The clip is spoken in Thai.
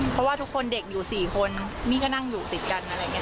เพราะว่าทุกคนเด็กอยู่๔คนมี่ก็นั่งอยู่ติดกันอะไรอย่างนี้